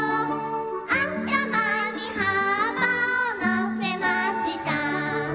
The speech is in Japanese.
「あたまにはっぱをのせました」